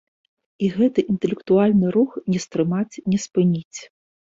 І гэты інтэлектуальны рух не стрымаць, не спыніць.